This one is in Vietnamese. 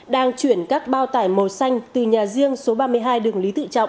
đang chuyển các bao tải màu xanh từ nhà riêng số ba mươi hai đường lý tự trọng